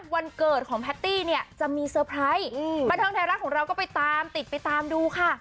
วันเกิดของแพตตี้เนี่ยจะมีเซอร์ไพรส์บันเทิงไทยรัฐของเราก็ไปตามติดไปตามดูค่ะ